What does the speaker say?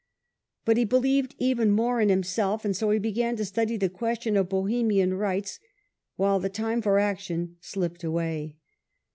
But he believed even more in himself, and so he began to study the question of Bohemian rights while the time for action slipped away.